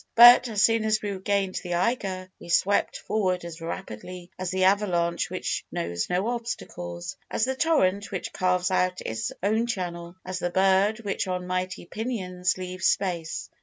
But as soon as we regained the Eiger, we swept forward as rapidly as the avalanche which knows no obstacles, as the torrent which carves out its own channel, as the bird which on mighty pinions cleaves space.